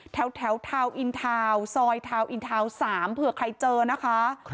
แถวทาวน์อินทาวน์ซอยทาวน์อินทาวน์๓เผื่อใครเจอนะคะ